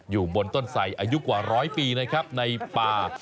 อยู่บนต้นไสอายุกว่าร้อยปีนะครับในป่า